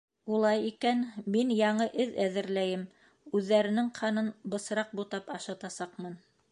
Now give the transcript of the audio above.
— Улай икән, мин яңы эҙ әҙерләйем — үҙҙәренең ҡанын бысраҡ бутап ашатасаҡмын.